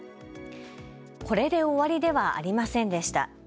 これで終わりではありませんでした。